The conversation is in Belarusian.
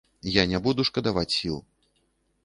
Я не буду шкадаваць сіл.